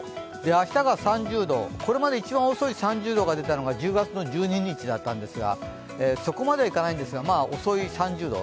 明日が３０度、これまで一番遅い３０度が出たのは１０月の１２日だったんですがそこまではいかないんですが遅い３０度。